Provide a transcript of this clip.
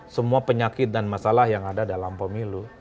semua penyakit dan masalah yang ada dalam pemilu